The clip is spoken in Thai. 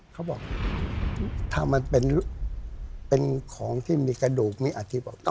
เขาบอกถ้ามันเป็นของที่มีกระดูกมีอธิบาย